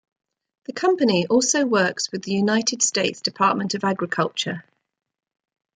The company also works with the United States Department of Agriculture.